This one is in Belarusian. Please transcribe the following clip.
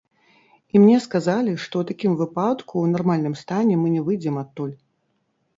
І мне сказалі, што ў такім выпадку ў нармальным стане мы не выйдзем адтуль.